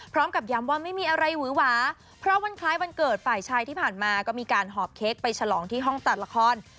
พร้อมกับย้ำว่าไม่มีอะไรหวือหวาเพราะวันคล้ายวันเกิดฝ่ายชายที่ผ่านมาก็มีการหอบเค้กไปฉลองที่ห้องตัดละคร